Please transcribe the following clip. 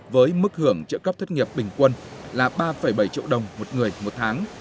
với mức hưởng trợ cấp thất nghiệp bình quân là ba bảy triệu đồng một người một tháng